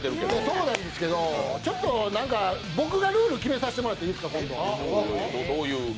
そうなんですけど僕がルール決めさせてもらっていいですか？